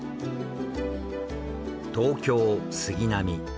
東京杉並。